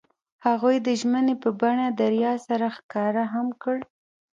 هغوی د ژمنې په بڼه دریا سره ښکاره هم کړه.